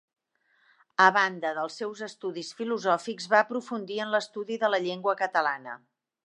A banda dels seus estudis filosòfics va aprofundir en l'estudi de la llengua catalana.